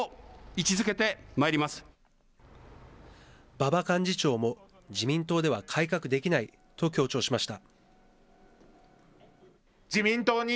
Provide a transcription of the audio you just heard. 馬場幹事長も自民党では改革できないと強調しました。